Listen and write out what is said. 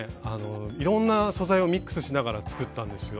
いろんな素材をミックスしながら作ったんですよ。